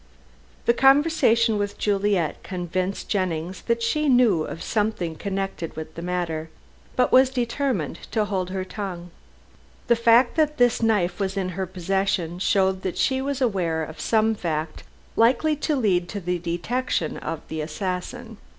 The conversation with Juliet convinced Jennings that she knew of something connected with the matter, but was determined to hold her tongue. The fact that this knife was in her possession showed that she was aware of some fact likely to lead to the detection of the assassin.